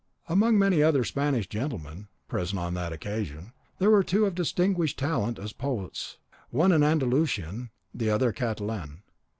Among many other Spanish gentlemen present on that occasion, there were two of distinguished talent as poets, the one an Andalusian, the other a Catalan.